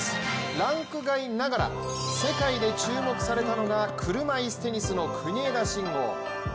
ランク外ながら、世界で注目されたのが車いすテニスの国枝慎吾。